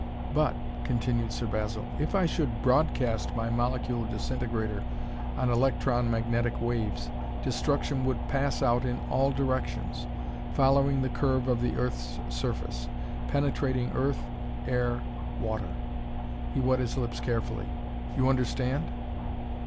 "But," continued Sir Basil, "if I should broadcast my molecule disintegrator on electron magnetic waves, destruction would pass out in all directions, following the curve of the earth's surface, penetrating earth, air, water." He wet his lips carefully. "You understand?"